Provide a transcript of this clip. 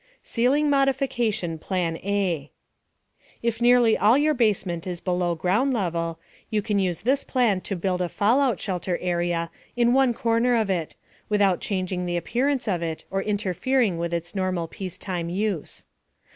CEILING MODIFICATION PLAN A If nearly all your basement is below ground level, you can use this plan to build a fallout shelter area in one corner of it, without changing the appearance of it or interfering with its normal peacetime use.